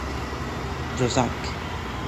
جزک